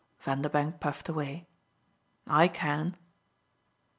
Vanderbank puffed away. "I can."